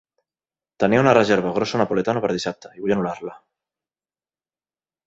Tenia una reserva a Grosso Napoletano per dissabte i vull anul·lar-la.